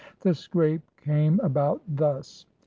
The scrape came about thus.